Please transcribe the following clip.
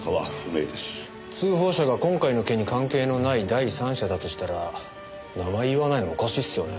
通報者が今回の件に関係のない第三者だとしたら名前言わないのおかしいっすよね。